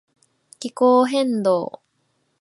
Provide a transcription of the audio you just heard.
気候変動